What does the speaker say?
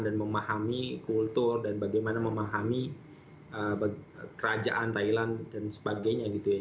dan memahami kultur dan bagaimana memahami kerajaan thailand dan sebagainya gitu ya